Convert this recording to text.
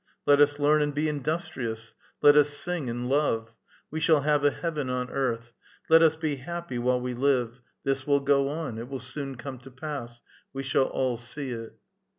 ^^ Let us learn and be industrious; let us sing and love; we shall have a heaven on earth ! Let us be happy while we live ; this will go on ; it will soon come to pass ; we shall all see it.